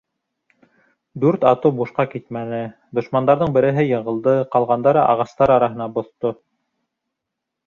Дүрт атыу бушҡа китмәне: дошмандарҙың береһе йығылды, ҡалғандары ағастар араһына боҫто.